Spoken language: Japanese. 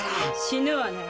死ぬわね。